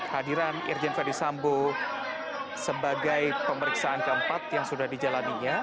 hadiran irjen ferdisambo sebagai pemeriksaan keempat yang sudah dijalaninya